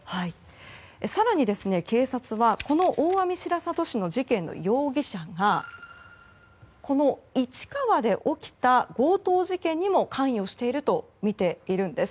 更に警察はこの大網白里市の事件の容疑者がこの市川で起きた強盗事件にも関与しているとみているんです。